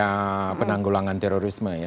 ya penanggulangan terorisme ya